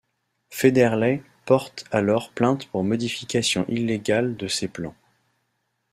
Federley porte alors plainte pour modification illégale de ses plans.